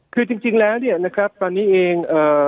คือจริงแล้วเนี่ยนะครับตอนนี้เอง